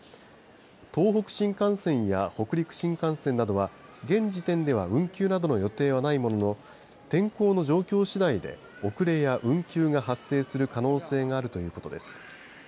東北新幹線や北陸新幹線などは現時点では運休などの予定はないものの天候の状況しだいで遅れや運休が発生する可能性があるということです。